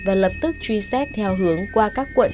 và lập tức truy xét theo hướng qua các quận